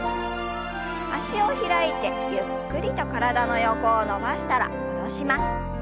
脚を開いてゆっくりと体の横を伸ばしたら戻します。